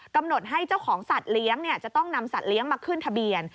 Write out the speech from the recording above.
กำหนดให้เจ้าของสัตว์เลี้ยงจะต้องนำสัตว์เลี้ยงมาขึ้นทะเบียน